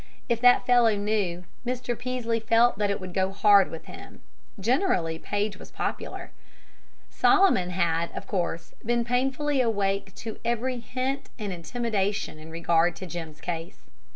If that fellow knew, Mr. Peaslee felt that it would go hard with him. Generally, Paige was popular. Solomon had, of course, been painfully awake to every hint and intimation in regard to Jim's case.